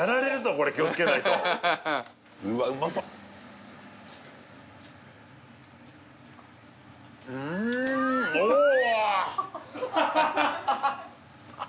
これ気をつけないとうわうまそううんおお！